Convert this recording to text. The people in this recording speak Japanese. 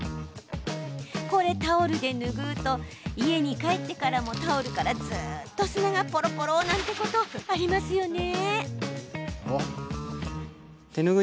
これ、タオルで拭うと家に帰ってからもタオルからずっと砂がぽろぽろなんてことありますよね。